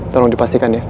tolong dipastikan ya